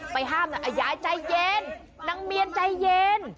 ห้ามยายใจเย็นนางเมียนใจเย็น